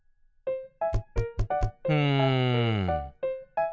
うん。